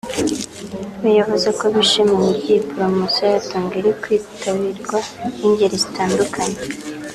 we yavuze ko bishimiye uburyo iyi poromosiyo ya Tunga iri kwitabirwa n’ingeri zitandukanye